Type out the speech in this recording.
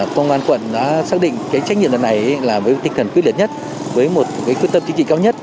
công an quận đã xác định trách nhiệm lần này là với tinh thần quyết liệt nhất với một quyết tâm chính trị cao nhất